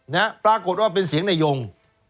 นะปรากฏว่าเป็นเสียงในยง